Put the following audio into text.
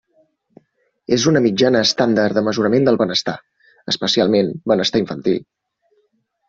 És una mitjana estàndard de mesurament del benestar, especialment benestar infantil.